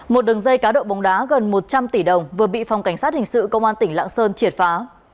một đường dây cá độ bóng đá gần một trăm linh tỷ đồng vừa bị phòng cảnh sát hình sự công an tỉnh lạng sơn triệt phá